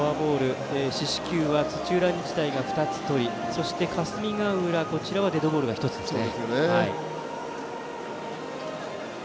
四死球は土浦日大が２つそして霞ヶ浦、こちらはデッドボール、１つですね。